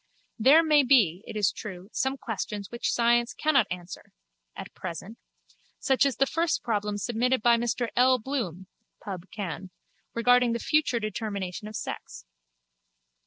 There may be, it is true, some questions which science cannot answer—at present—such as the first problem submitted by Mr L. Bloom (Pubb. Canv.) regarding the future determination of sex.